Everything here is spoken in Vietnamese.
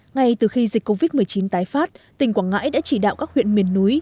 ngay từ khi dịch covid một mươi chín tái phát tỉnh quảng ngãi đã chỉ đạo các huyện miền núi